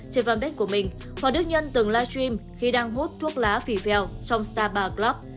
trên fanpage của mình hoa đức nhân từng livestream khi đang hút thuốc lá phì phèo trong starbucks club